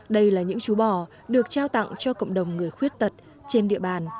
đây là những chú bò được trao tặng cho cộng đồng người khuyết tật trên địa bàn